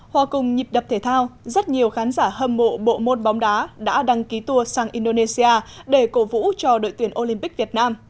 hòa cùng nhịp đập thể thao rất nhiều khán giả hâm mộ bộ môn bóng đá đã đăng ký tour sang indonesia để cổ vũ cho đội tuyển olympic việt nam